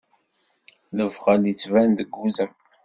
Lebxel ittban deg udem.